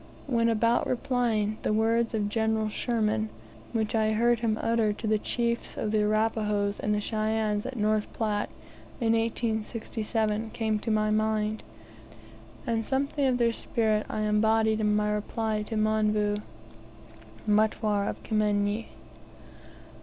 When about replying, the words of General Sherman, which I heard him utter to the chiefs of the Arapahoes and Cheyennes at North Platte, in 1867, came to my mind; and something of their spirit I embodied in my reply to Mionvu, Mutware of Kimenyi.